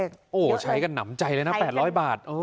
โอ้โหใช้กันหนำใจเลยนะ๘๐๐บาท